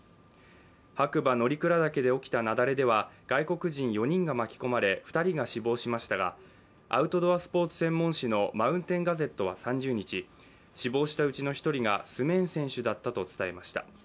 白馬乗鞍岳で起きた雪崩では外国人４人が巻き込まれ２人が死亡しましたがアウトドアスポーツ専門誌の「マウンテン・ガゼット」は３０日、死亡したうちの１人がスメーン選手だったと伝えました。